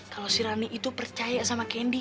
kalo si rani itu percaya sama candy